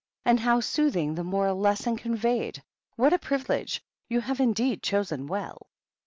And how soothing the moral lesson conveyed ! What a privilege ! You have indeed chosen well."